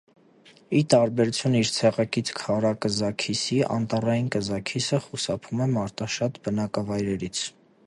Ի տարբերություն իր ցեղակից քարակզաքիսի, անտառային կզաքիսը խուսափում է մարդաշատ բնակավայրերից։